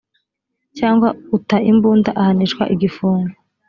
cyangwa uta imbunda ahanishwa igifungo